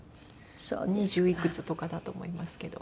二十いくつとかだと思いますけど。